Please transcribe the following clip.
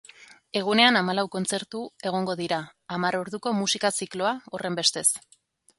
Egunean hamalau kontzertu egongo dira, hamar orduko musika zikloa, horrenbestez.